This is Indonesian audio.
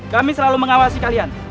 kami selalu mengawasi kalian